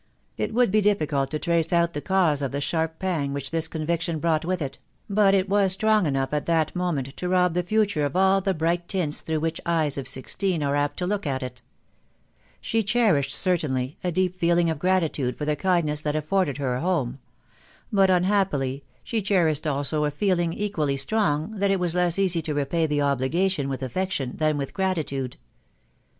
It would be difficult to trace out the cause of the sharp pang which this conviction brought with it ; but it was strong enough at that moment to rob the future of all the bright tints through which eyes of sixteen are apt to look at it. She cherished, certainly, a deep feeling of gratitude for the kindness that afforded her a home ; but, unhappily, she cherished also a feeling equally strong, that it was less easy to repay the obligation with affection than with gratitude.